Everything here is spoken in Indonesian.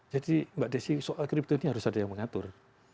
jadi mbak desy soal crypto ini harus ada yang mengatur